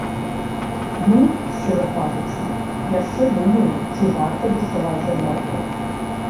Мы, шчыра кажучы, яшчэ думаем, ці варта дасылаць заяўку.